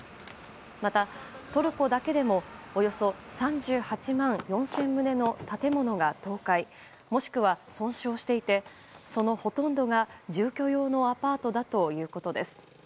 また、トルコだけでもおよそ３８万４０００棟の建物が倒壊、もしくは損傷していてそのほとんどが住居用のアパートだということです。